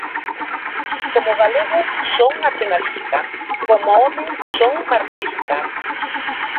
Como galego son nacionalista, como home son marxista.